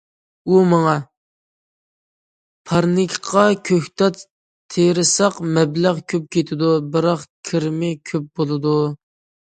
ئۇ ماڭا: پارنىكقا كۆكتات تېرىساق مەبلەغ كۆپ كېتىدۇ، بىراق كىرىمى كۆپ بولىدۇ.